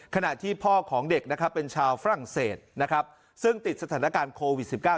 ขณะที่พ่อของเด็กนะครับเป็นชาวฝรั่งเศสนะครับซึ่งติดสถานการณ์โควิด๑๙